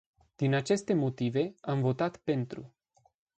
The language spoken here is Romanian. Din aceste motive, am votat pentru.